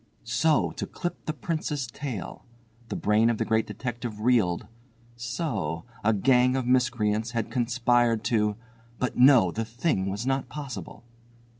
So! To clip the Prince's tail! The brain of the Great Detective reeled. So! a gang of miscreants had conspired to—but no! the thing was not possible.